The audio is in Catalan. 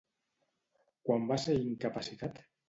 Quan va ser incapacitat?